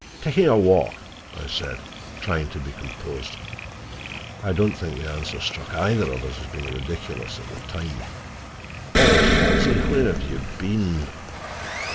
"Taking a walk," I said, trying to be composed. I don't think the answer struck either of us as being ridiculous at the time. "Oh, Halsey, where have you been?"